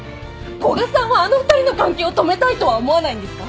古賀さんはあの２人の関係を止めたいとは思わないんですか？